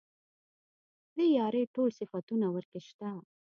د يارۍ ټول صفتونه ورکې شته.